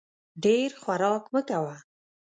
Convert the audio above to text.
ډېر خوراک مه کوه !